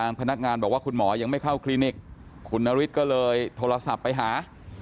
อันนี้จริงหรือเปล่า